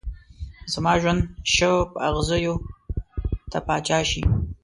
زما ژوند شه په اغزيو ته پاچا شې